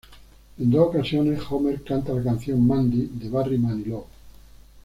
En dos ocasiones Homer canta la canción "Mandy" de Barry Manilow.